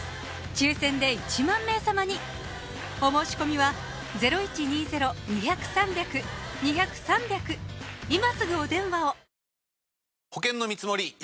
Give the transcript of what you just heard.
抽選で１万名様にお申し込みは今すぐお電話を！